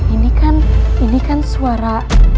ini kan ini kan suara